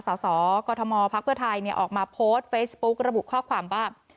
สสกมพักเพื่อไทยออกมาโพสต์เฟซบุ๊กระบุข้อความว่า